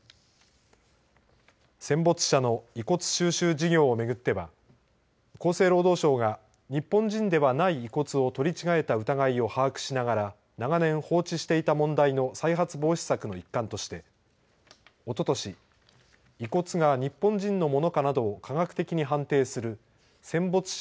戦没者の遺骨収集事業を巡っては厚生労働省が日本人ではない遺骨を取り違えた疑いを把握しながら長年放置していた問題の再発防止策の一環としておととし日本人のものかなどを科学的に判定する戦没者